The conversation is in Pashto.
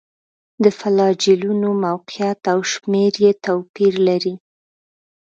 د فلاجیلونو موقعیت او شمېر یې توپیر لري.